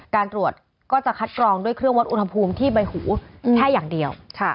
การตรวจก็จะคัดกรองด้วยเครื่องวัดอุณหภูมิที่ใบหูแค่อย่างเดียว